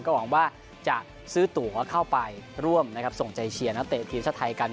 หวังว่าจะซื้อตัวเข้าไปร่วมส่งใจเชียร์นักเตะทีมชาติไทยกัน